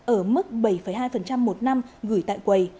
ở mức bảy hai một năm gửi tại quầy